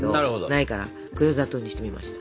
ないから黒砂糖にしてみました。